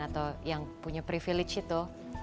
atau yang punya privilege itu